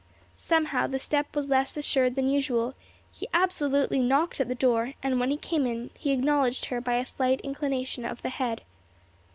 Somehow, the step was less assured than usual; he absolutely knocked at the door; and, when he came in, he acknowledged her by a slight inclination of the head.